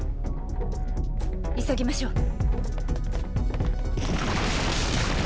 急ぎましょう。